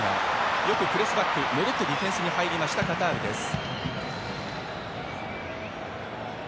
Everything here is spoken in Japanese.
よくプレスバック戻ってディフェンスに入るカタールです。